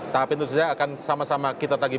tahap itu saja akan sama sekali berhasil